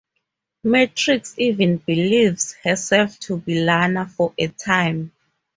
Matrix even believes herself to "be" Lana for a time.